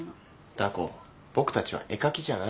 ダー子僕たちは絵描きじゃない。